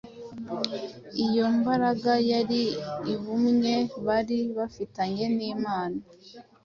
Iyo mbaraga yari ubumwe bari bafitanye n’Imana,